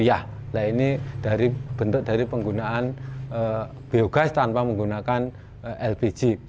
nah ini bentuk dari penggunaan biogas tanpa menggunakan lpg